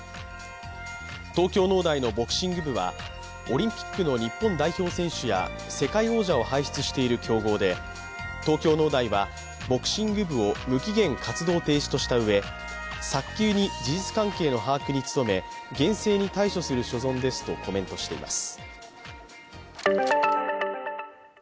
東京農大のボクシング部はオリンピックの日本代表選手や世界王者を輩出している強豪で東京農大はボクシング部を無期限活動停止としたうえ早急に事実関係の把握に努め厳正に対処する所存ですとコメントしています。